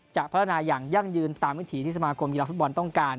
จะพัฒนายังยั่งยืนตามหน้าที่สมากรมฟุตบอลต้องการ